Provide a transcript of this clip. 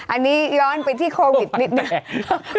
อันนี้ย้อนไปที่โควิดทำให้ปันแตก